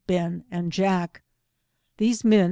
Ben and Jack These men.